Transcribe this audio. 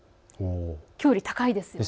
きょうより高いですね。